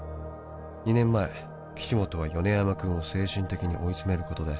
「２年前岸本は米山くんを精神的に追いつめることで」